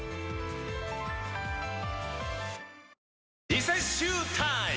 リセッシュータイム！